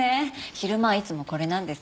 昼間はいつもこれなんです。